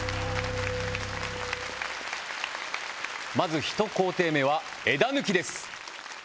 まず１工程目は枝抜きです